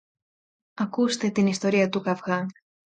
Ακούσετε την ιστορία τού καβγά